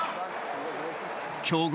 強豪